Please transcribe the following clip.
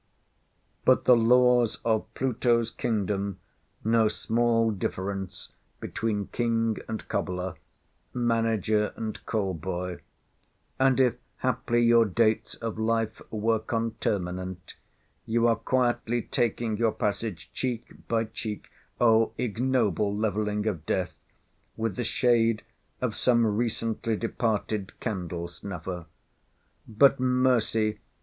But the laws of Pluto's kingdom know small difference between king, and cobbler; manager, and call boy; and, if haply your dates of life were conterminant, you are quietly taking your passage, cheek by cheek (O ignoble levelling of Death) with the shade of some recently departed candle snuffer. But mercy!